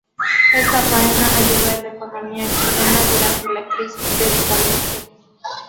Esta faena ayudó a la economía chilena durante la crisis del salitre.